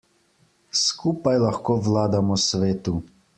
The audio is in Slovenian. Skupaj lahko vladamo svetu!